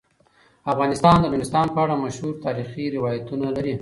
افغانستان د نورستان په اړه مشهور تاریخی روایتونه لري.